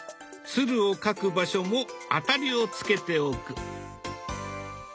鶴を描く場所もあたりをつけておく。